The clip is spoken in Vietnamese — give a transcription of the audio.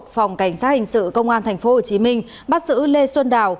phòng cảnh sát hình sự công an tp hcm bắt xử lê xuân đào